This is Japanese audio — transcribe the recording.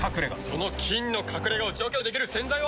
その菌の隠れ家を除去できる洗剤は。